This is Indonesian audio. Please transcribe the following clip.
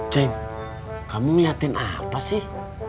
ceng kamu ngeliatin apa sih